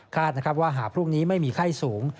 ว่าหากพรุ่งนี้ไม่มีไข้สูง